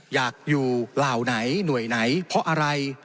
อยากอยู่เหล่าไหนหน่วยไหนเพราะอะไร